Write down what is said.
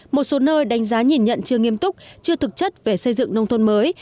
một số nơi đánh giá nhìn nhận chưa nghiêm túc chưa thực chất về xây dựng nông thôn mới